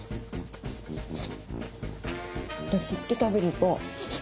吸って食べると。